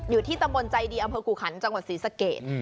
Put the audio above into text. อยู่ที่ตำบลใจดีอำเภอกู่ขันจังหวัดศรีสะเกด